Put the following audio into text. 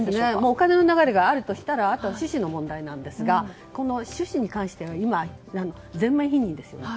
お金の流れがあるとしたらあとは趣旨の問題なんですがこの趣旨に関しては今、全面否認ですよね。